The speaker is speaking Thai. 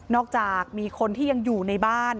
จากมีคนที่ยังอยู่ในบ้าน